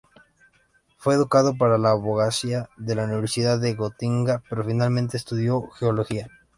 Fue educado para la abogacía en la Universidad de Gotinga, pero finalmente estudió geología.